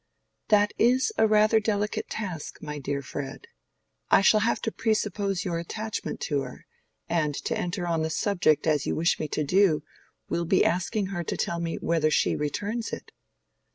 "That is rather a delicate task, my dear Fred. I shall have to presuppose your attachment to her; and to enter on the subject as you wish me to do, will be asking her to tell me whether she returns it."